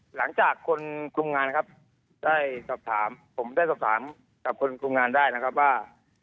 หลังจากคนกลุ่มงานครับได้สอบถามผมได้สอบถามกับคนคุมงานได้นะครับว่า